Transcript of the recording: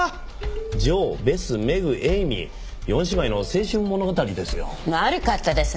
ジョーベスメグエイミー四姉妹の青春物語ですよ。